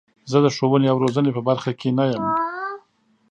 زه د ښوونې او روزنې په برخه کې نه یم.